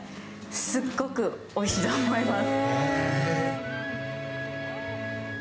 すっごくおいしいと思います。